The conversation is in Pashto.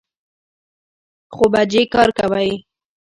څو بجې کار کوئ؟